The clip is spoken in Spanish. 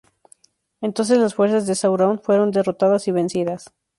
Entonces las fuerzas de Sauron fueron derrotadas y vencidas.